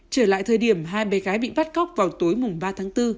trở lại thời điểm hai bé gái bị bắt cóc vào tối mùng ba tháng bốn